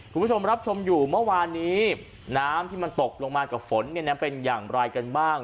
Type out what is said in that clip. คุณผู้ชมรับชมอยู่เมื่อวานนี้น้ำที่มันตกลงมากับฝนเนี่ยนะเป็นอย่างไรกันบ้าง